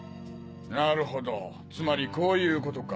なるほどつまりこういうことか。